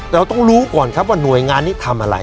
เราต้องรู้ก่อนครับว่าหน่วยงานนี้ทำอะไร